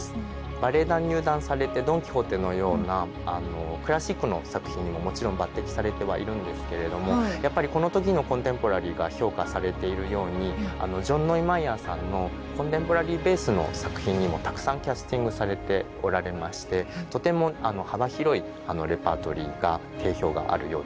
バレエ団に入団されて「ドン・キホーテ」のようなクラシックの作品にももちろん抜てきされてはいるんですけれどもやっぱりこの時のコンテンポラリーが評価されているようにジョン・ノイマイヤーさんのコンテンポラリーベースの作品にもたくさんキャスティングされておられましてとても幅広いレパートリーが定評があるようです。